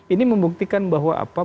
ini membuktikan bahwa apa